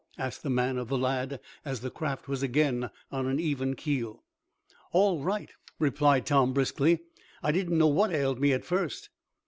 asked the man of the lad, as the craft was again on an even keel. "All right," replied Tom, briskly. "I didn't know what ailed me at first."